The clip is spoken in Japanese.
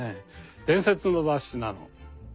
伝説の雑誌なの。